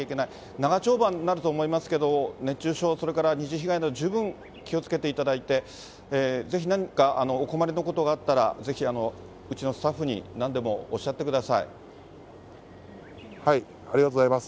長丁場になると思いますけど、熱中症、それから二次被害など、十分気をつけていただいて、ぜひ何かお困りのことがあったら、ぜひうちのスタッフになんでもおありがとうございます。